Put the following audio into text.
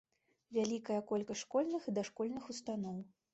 Вялікая колькасць школьных і дашкольных устаноў.